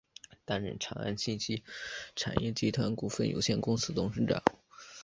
担任长安信息产业集团股份有限公司董事长。